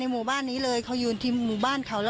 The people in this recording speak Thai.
โชว์บ้านในพื้นที่เขารู้สึกยังไงกับเรื่องที่เกิดขึ้น